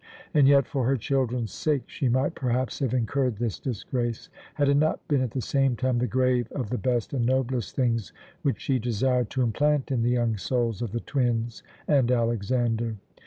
And yet, for her children's sake, she might perhaps have incurred this disgrace, had it not been at the same time the grave of the best and noblest things which she desired to implant in the young souls of the twins and Alexander.